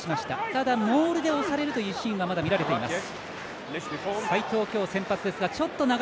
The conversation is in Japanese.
ただ、モールで押されるというシーンがまだ見られています。